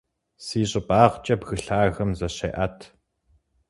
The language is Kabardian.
Си щӀыбагъкӀэ бгы лъагэм зыщеӀэт.